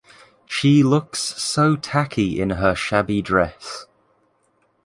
She looks so tacky in her shabby dress.